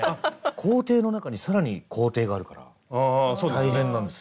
工程の中に更に工程があるから大変なんですよ。